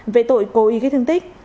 về tội cố ý gây thương tích